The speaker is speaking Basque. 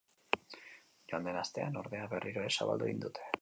Joan den astean, ordea, berriro ere zabaldu egin dute.